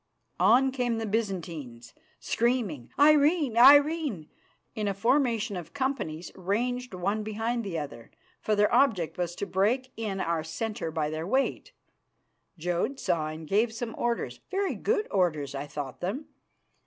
On came the Byzantines, screaming "Irene! Irene!" in a formation of companies ranged one behind the other, for their object was to break in our centre by their weight. Jodd saw, and gave some orders; very good orders, I thought them.